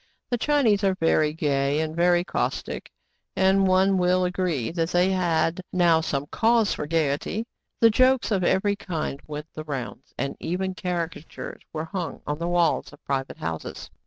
The Chinese are very gay and very caustic, and one will agree that they had now some cause for gayety ; and jokes of every kind went the rounds, and even caricatures were hung on the walls of private houses.